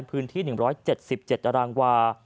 เป็นพื้นที่๑๗๗อรางวาล